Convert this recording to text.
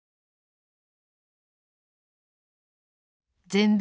全米